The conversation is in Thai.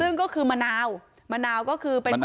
ซึ่งก็คือมะนาวมะนาวก็คือเป็นคนที่เขา